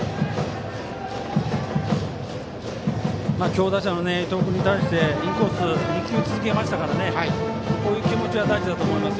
強打者の伊藤君に対してインコース２球続けましたからねこういう気持ちは大事だと思います。